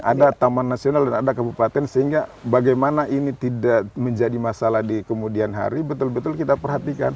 ada taman nasional dan ada kabupaten sehingga bagaimana ini tidak menjadi masalah di kemudian hari betul betul kita perhatikan